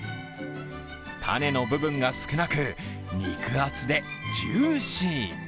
種の部分が少なく、肉厚でジューシー。